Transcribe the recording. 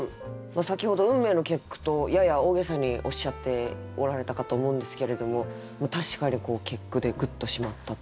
先ほど「運命の結句」とやや大げさにおっしゃっておられたかと思うんですけれども確かに結句でグッと締まったという。